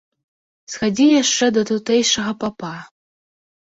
Схадзі яшчэ да тутэйшага папа.